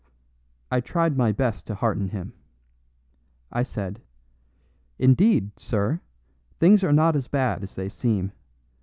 I tried my best to hearten him. I said, "Indeed, sir, things are not as bad as they seem.